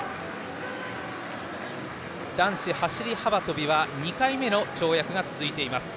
男子走り幅跳びは２回目の跳躍が続いています。